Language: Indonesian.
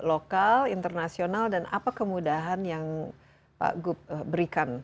lokal internasional dan apa kemudahan yang pak gup berikan